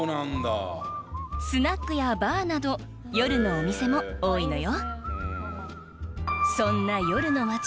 スナックやバーなど夜のお店も多いのよ。